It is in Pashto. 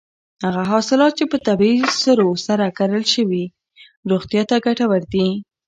هغه حاصلات چې په طبیعي سرو سره کرل شوي روغتیا ته ګټور دي.